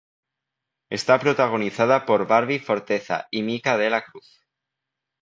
Está protagonizada por Barbie Forteza y Mika Dela Cruz.